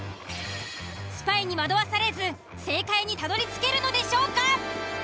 スパイに惑わされず正解にたどりつけるのでしょうか！？